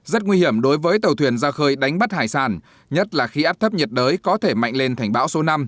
rất nguy hiểm đối với tàu thuyền ra khơi đánh bắt hải sản nhất là khi áp thấp nhiệt đới có thể mạnh lên thành bão số năm